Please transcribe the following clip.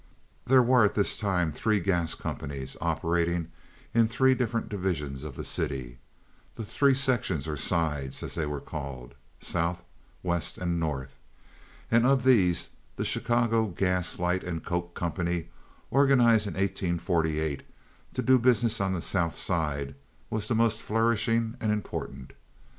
There were at this time three gas companies operating in the three different divisions of the city—the three sections, or "sides," as they were called—South, West, and North, and of these the Chicago Gas, Light, and Coke Company, organized in 1848 to do business on the South Side, was the most flourishing and important.